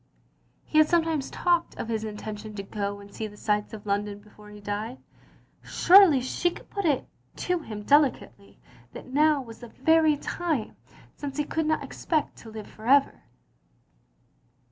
He had sometimes talked of his intention to go and see the sights of London before he died. Surely she could put it to him delicately, that now was the very time, since he could not expect to live for ever.